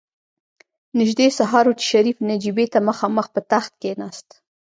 نژدې سهار و چې شريف نجيبې ته مخامخ په تخت کېناست.